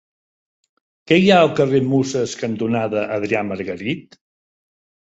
Què hi ha al carrer Muses cantonada Adrià Margarit?